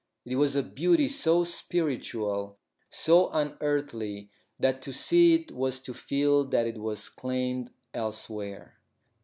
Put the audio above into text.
It was a beauty so spiritual, so unearthly, that to see it was to feel that it was claimed elsewhere.